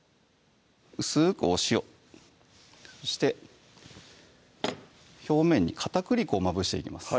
薄くお塩そして表面に片栗粉をまぶしていきます